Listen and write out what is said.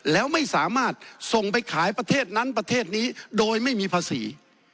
แล้วไม่สามารถส่งไปขายประเทศนั้นประเทศนี้โดยไม่มีภาษี